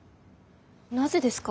なぜですか？